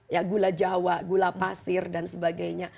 ya gula jawa gula pasir dan sebagainya